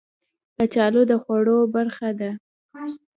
کچالو د خوړو برخه ده